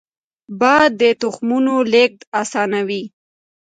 باد د تخمونو لیږد اسانوي